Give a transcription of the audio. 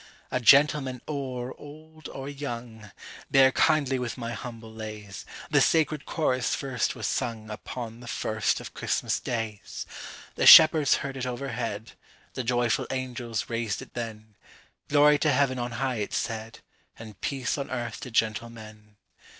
A gentleman, or old or young!(Bear kindly with my humble lays);The sacred chorus first was sungUpon the first of Christmas Days:The shepherds heard it overhead—The joyful angels raised it then:Glory to Heaven on high, it said, And peace on earth to gentle men.